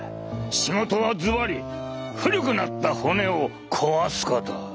仕事はずばり古くなった骨を壊すこと！